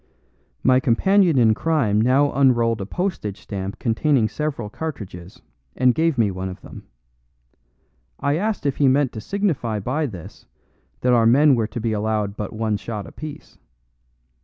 My companion in crime now unrolled a postage stamp containing several cartridges, and gave me one of them. I asked if he meant to signify by this that our men were to be allowed but one shot apiece.